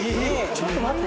ちょっと待って。